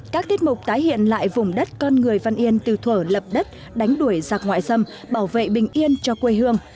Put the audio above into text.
các tiết mục tái hiện lại vùng đất con người văn yên từ thổ lập đất đánh đuổi giặc ngoại xâm bảo vệ bình yên cho quê hương